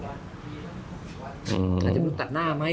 สาธารณูนตัดหน้าไม่